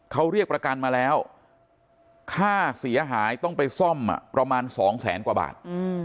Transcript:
เขาเรียกประกันมาแล้วค่าเสียหายต้องไปซ่อมประมาณ๒แสนกว่าบาท